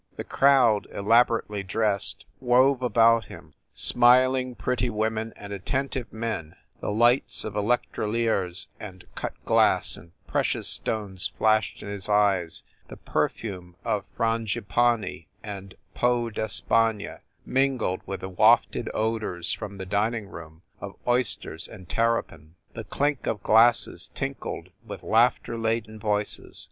The crowd, elaborately dressed, wove about him, smiling, pretty women and attentive men, the lights of electroliers and cut glass and precious stones flashed in his eyes, the perfume of frangipanni and peau d Es pagne mingled with the wafted odors, from the dining] room, of oysters and terrapin. The clink of glasses tinkled with laughter laden voices.